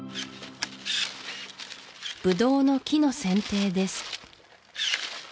ブドウの木の剪定です